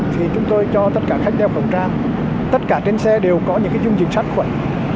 thì chúng tôi cho tất cả khách đeo khẩu trang tất cả trên xe đều có những dung dịch sát khuẩn